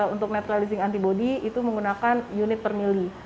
untuk netralising antibody itu menggunakan unit per mili